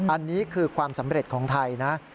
อันนี้คือความสำเร็จของไทยนะ